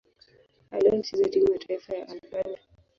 Aliwahi kucheza timu ya taifa ya Albania.